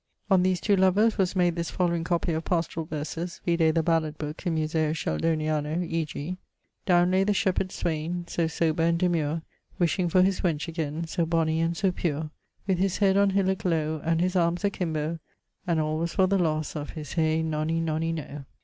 On these two lovers was made this following copie of pastorall verses (vide the ballad booke in Museo Sheldoniano), e.g. Downe lay the shepherd swaine So sober and demure, Wishing for his wench againe So bonny and so pure, With his head on hillock lowe And his armes akimboe, And all was for the losse of his Hye nonny nonny noe.